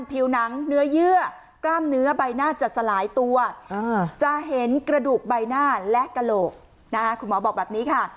ผิวหนังเนื้อเยื่อกล้ามเนื้อใบหน้าจะสลายตัวจะเห็นกระดูกใบหน้าและกระโหลกคุณหมอบอกแบบนี้ค่ะ